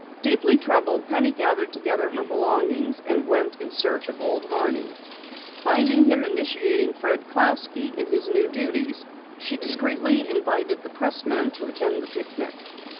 Deeply troubled, Penny gathered together her belongings and went in search of Old Horney. Finding him initiating Fred Clousky in his new duties, she discreetly invited him to attend the picnic.